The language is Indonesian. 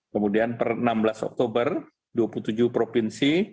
kemudian per enam belas oktober dua puluh tujuh provinsi